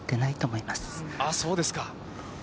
そうですか。